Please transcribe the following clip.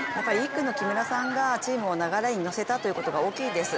１区の木村さんがチームを流れにのせたということが大きいです。